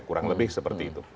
kurang lebih seperti itu